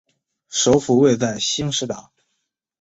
首府位在兴实达。